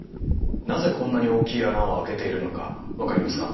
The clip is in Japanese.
なぜこんなに大きい穴を開けているのか分かりますか？